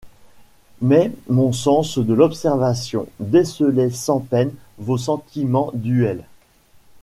Mais mon sens de l’observation décelait sans peine vos sentiments duels. ..